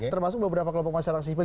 termasuk beberapa kelompok masyarakat sipil